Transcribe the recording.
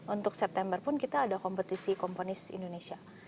untuk september pun kita ada kompetisi komponis indonesia